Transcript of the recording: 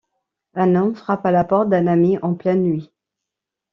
Un homme frappe à la porte d'un ami en pleine nuit.